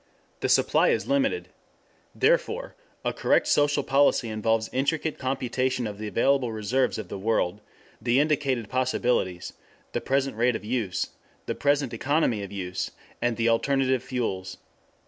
The supply is limited. Therefore a correct social policy involves intricate computation of the available reserves of the world, the indicated possibilities, the present rate of use, the present economy of use, and the alternative fuels.